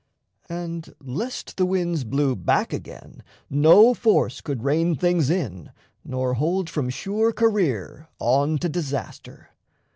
And lest the winds blew back again, no force Could rein things in nor hold from sure career On to disaster.